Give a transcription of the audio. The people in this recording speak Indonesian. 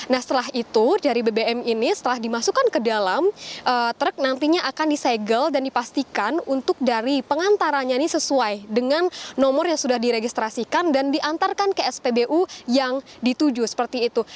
nah setelah itu dari bbm ini setelah dimasukkan ke dalam truk nantinya akan disegel dan dipastikan untuk dari pengantarannya ini sesuai dengan nomor yang sudah diregistrasikan dan diantarkan ke spbu yang dituju seperti itu